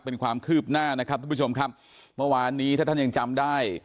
เป็นความคืบหน้านะครับทุกผู้ชมครับเมื่อวานนี้ถ้าท่านยังจำได้